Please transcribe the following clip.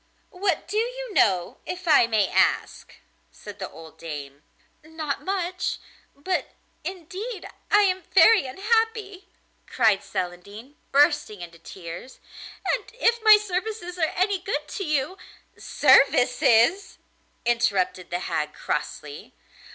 'What do you know, if I may ask?' said the old dame. 'Not much; but indeed I am very unhappy,' cried Celandine, bursting into tears, 'and if my services are any good to you ' 'Services!' interrupted the hag crossly.